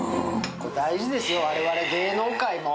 大事ですよ、我々芸能界も。